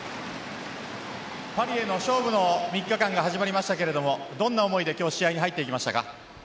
パリへの勝負の３日間が始まりましたがどんな思いで今日試合に入っていきましたか。